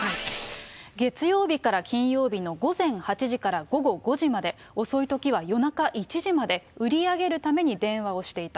月曜日から金曜日の午前８時から午後５時まで、遅いときは夜中１時まで売り上げるために電話をしていた。